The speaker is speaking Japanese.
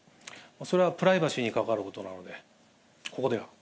それはプライバシーに関わることなので、ここでは。